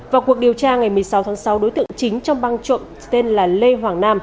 vào cuộc điều tra ngày một mươi sáu tháng sáu đối tượng chính trong băng trộm tên là lê hoàng nam